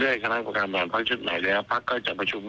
ถึงถามภาคว่าจะเดินหน้าไปทางไหนครับผม